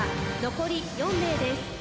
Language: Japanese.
残り４名です。